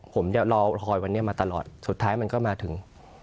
ผมจะรอคอยวันนี้มาตลอดสุดท้ายมันก็มาถึง